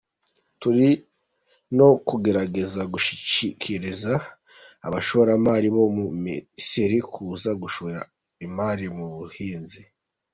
Turi no kugerageza gushishikariza abashoramari bo mu Misiri kuza gushora imari mu buhinzi.